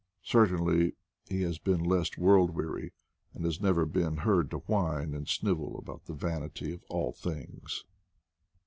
Certainly he has been less world weary, and has never been heard to whine and snivel about the vanity of all things.